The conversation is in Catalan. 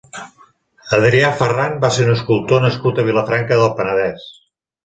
Adrià Ferran va ser un escultor nascut a Vilafranca del Penedès.